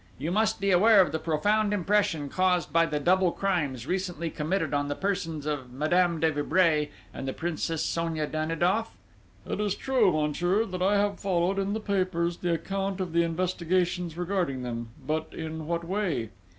You must be aware of the profound impression caused by the double crimes recently committed on the persons of Madame de Vibray and the Princess Sonia Danidoff?" "It is true, monsieur, that I have followed, in the papers, the account of the investigations regarding them: but, in what way?..."